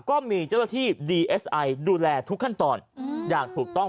ก็มีเจ้าหน้าที่ดีเอสไอดูแลทุกขั้นตอนอย่างถูกต้อง